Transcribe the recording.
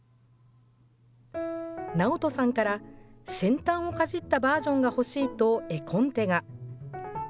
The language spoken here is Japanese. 直人さんから、先端をかじったバージョンが欲しいと絵コンテが。